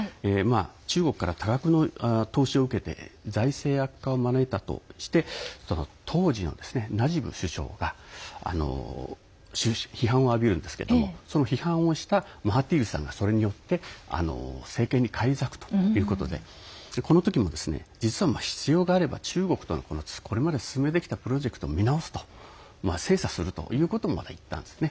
中国から多額の投資を受けて財政悪化を招いたとして当時のナジブ首相が批判を浴びるんですけどもその批判をしたマハティールさんがそれによって政権に返り咲くということでこの時も実は必要があれば中国とこれまで進めてきたプロジェクトを見直すと精査するとまで言ったんですね。